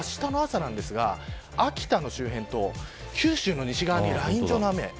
あしたの朝秋田の周辺と九州の西側にライン状の雨。